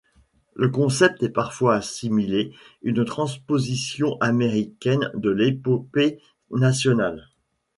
Le concept est parfois assimilé une transposition américaine de l'épopée nationale.